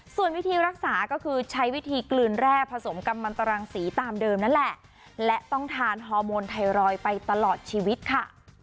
ส่วนวิธีรักษาก็คือใช้วิธีกลืนแร่ผสมกำมันตรังสีตามเดิมนั่นแหละและต้องทานฮอร์โมนไทรอยด์ไปตลอดชีวิตค่ะ